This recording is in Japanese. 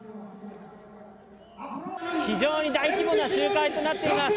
非常に大規模な集会となっています。